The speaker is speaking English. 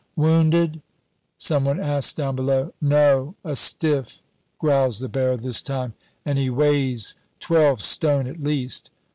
"Wounded?" some one asks down below. "No, a stiff," growls the bearer this time, "and he weighs twelve stone at least.